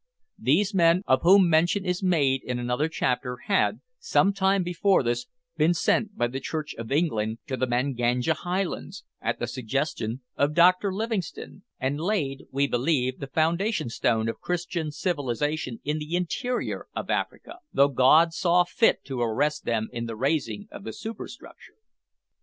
These men, of whom mention is made in another chapter, had, some time before this, been sent by the Church of England to the Manganja highlands, at the suggestion of Dr Livingstone, and laid, we believe, the foundation stone of Christian civilisation in the interior of Africa, though God saw fit to arrest them in the raising of the superstructure.